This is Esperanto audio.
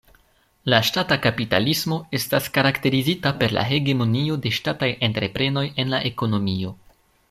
La Ŝtata kapitalismo estas karakterizita per la hegemonio de ŝtataj entreprenoj en la ekonomio.